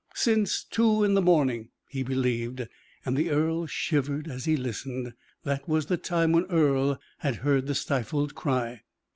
"Since two in the morning," he believed, and the earl shivered as he listened. That was the time when Earle had heard the stifled cry.